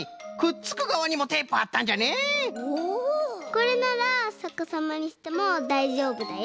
これならさかさまにしてもだいじょうぶだよ！